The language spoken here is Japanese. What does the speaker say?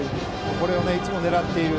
これはいつも狙っている。